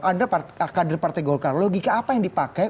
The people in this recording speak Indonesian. anda kader partai golkar logika apa yang dipakai